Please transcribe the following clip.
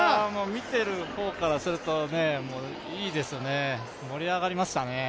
見てる方からすると、いいですね、盛り上がりましたね。